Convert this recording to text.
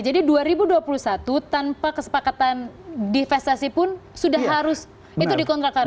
jadi dua ribu dua puluh satu tanpa kesepakatan diversasi pun sudah harus itu di kontrak karya